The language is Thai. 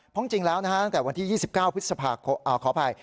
เพราะจริงแล้วนะฮะตั้งแต่วันที่๒๙พฤษภาคขออภัย